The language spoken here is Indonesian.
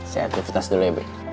saya aktivitas dulu ya b